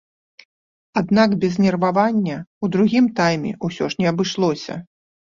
Аднак без нервавання ў другім тайме ўсё ж не абышлося.